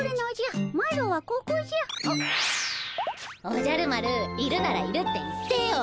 おじゃる丸いるならいるって言ってよ。